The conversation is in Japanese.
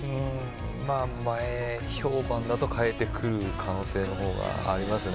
前評判だと代えてくる可能性の方がありますよね。